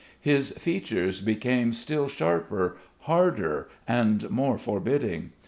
His features became still sharper, harder, and more forbidding.